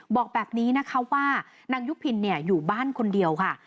บอกแบบนี้นะคะว่านางยุพินอยู่บ้านคนเดียวค่ะ